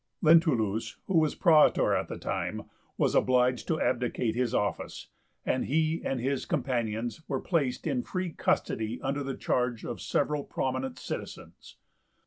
Lentulus, who was Praetor at the time, was obliged to abdicate his office, and he and his companions were placed in free custody under the charge of several prominent citizens.